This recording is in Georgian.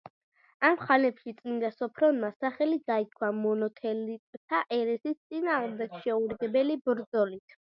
ამ ხანებში წმიდა სოფრონმა სახელი გაითქვა მონოთელიტთა ერესის წინააღმდეგ შეურიგებელი ბრძოლით.